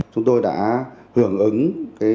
chúng tôi đã hưởng ứng